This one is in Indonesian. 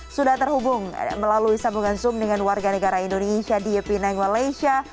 sudah terhubung melalui sambungan zoom dengan warga negara indonesia di yepinang malaysia